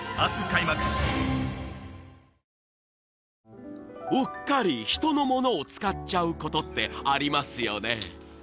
本麒麟［うっかり人の物を使っちゃうことってありますよね］